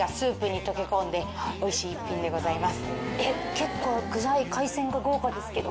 結構具材海鮮が豪華ですけど。